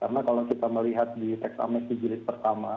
karena kalau kita melihat di tax amnesty jilid pertama